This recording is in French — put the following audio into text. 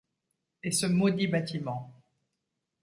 Et ce maudit bâtiment